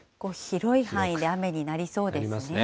広い範囲で雨になりそうですね。